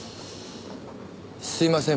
すいません